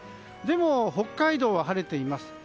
でも北海道は晴れています。